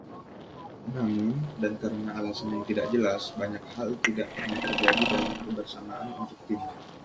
Namun, dan karena alasan yang tidak jelas, banyak hal tidak pernah terjadi dalam kebersamaan untuk tim.